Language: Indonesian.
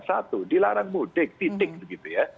satu dilarang mudik titik begitu ya